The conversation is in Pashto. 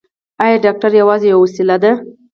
ایا ډاکټر یوازې وسیله ده؟